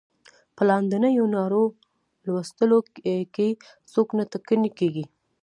په لاندنیو نارو لوستلو کې څوک نه ټکنی کیږي.